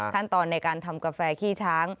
ขั้นตอนในการทำกาแฟขี้ช้าง